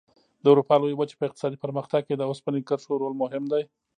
د اروپا لویې وچې په اقتصادي پرمختګ کې د اوسپنې کرښو رول مهم دی.